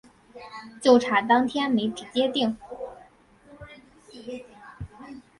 就差当天没直接订